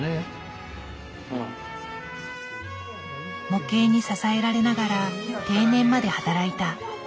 模型に支えられながら定年まで働いた。